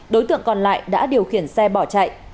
đối tượng còn lại đã điều khiển xe bỏ chạy